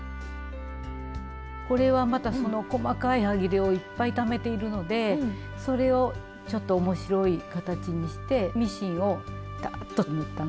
これはまたその細かいはぎれをいっぱいためているのでそれをちょっと面白い形にしてミシンをターッと縫ったんです。